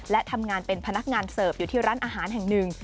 และทำงานเป็นพนักงานเสิร์ฟอยู่ที่ร้านอาหารแห่งหนึ่ง